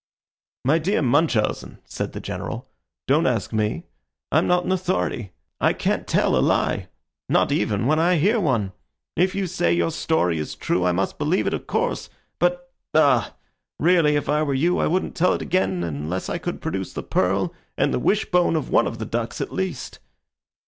"My dear Munchausen," said the General, "don't ask me. I'm not an authority. I can't tell a lie not even when I hear one. If you say your story is true, I must believe it, of course; but ah really, if I were you, I wouldn't tell it again unless I could produce the pearl and the wish bone of one of the ducks at least."